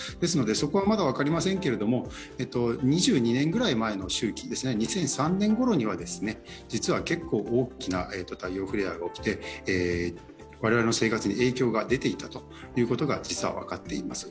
そこはまだ分かりませんけれども２２年ぐらい前の周期２００３年ごろには、実は結構大きな太陽フレアが起きて我々の生活に影響が出ていたということが実は分かっています。